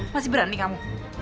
masih berani kamu